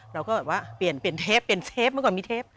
เราก็เปลี่ยนเทปเมื่อก่อนมีเทป